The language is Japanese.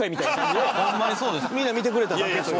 みんな見てくれただけという。